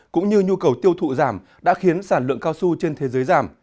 cũng như nhu cầu tiêu thụ giảm đã khiến sản lượng cao su trên thế giới giảm